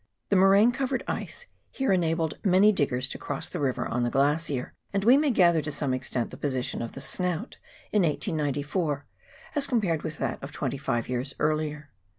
The moraine covered ice here enabled many diggers to cross the river on the glacier, and we may gather to some extent the position of the " snout" in 1894, as compared with that of twenty five years earlier.